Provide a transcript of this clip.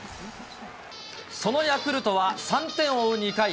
そのヤクルトは３点を追う２回。